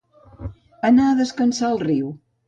Anar a descansar al riu.